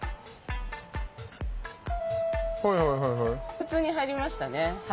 普通に入りましたね。